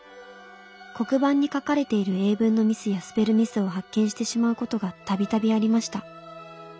黒板に書かれている英文のミスやスペルミスを発見してしまうことがたびたびありました。